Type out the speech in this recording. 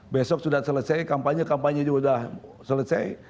besok sudah selesai kampanye kampanye juga sudah selesai